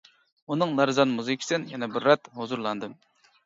ئۇنىڭ لەرزان مۇزىكىسىدىن يەنە بىر رەت ھۇزۇرلاندىم.